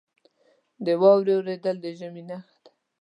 • د واورې اورېدل د ژمي نښه ده.